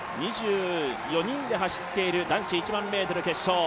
２４人で走っている男子１００００ｍ決勝。